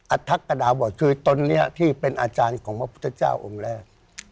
ทักกดาบอดคือตนเนี่ยที่เป็นอาจารย์ของพระพุทธเจ้าองค์แรก